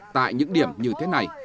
tại những điểm như thế này